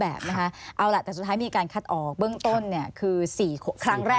เอาล่ะแต่สุดท้ายมีการคัดออกเบื้องต้นคือ๔ครั้งแรก